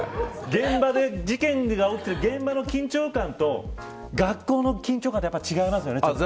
事件が起きている現場の緊張感と学校の緊張感ってやっぱり違いますよね。